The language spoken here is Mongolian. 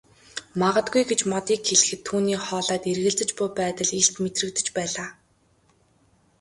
Магадгүй гэж Модыг хэлэхэд түүний хоолойд эргэлзэж буй байдал илт мэдрэгдэж байлаа.